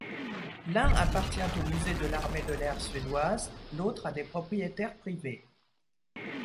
L'un appartient au musée de l'armée de l'air suédoise, l'autre à des propriétaires privés.